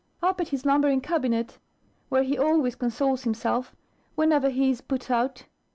"Up at his lumbering cabinet, where he always consoles himself, whenever he is put out.